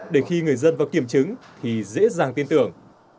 để khi người dân vào kiểm chứng thì dễ dàng tin tưởng